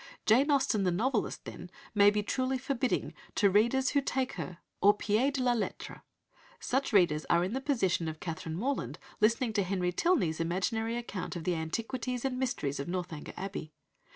Jane Austen the novelist, then, may truly be "forbidding" to readers who take her au pied de la lettre. Such readers are in the position of Catherine Morland listening to Henry Tilney's imaginary account of the antiquities and mysteries of Northanger Abbey.